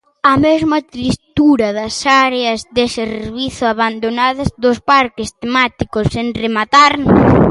A mesma tristura das áreas de servizo abandonadas, dos parques temáticos sen rematar.